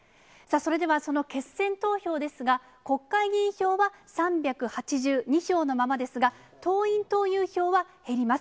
それではその決選投票ですが、国会議員票は３８２票のままですが、党員・党友票は減ります。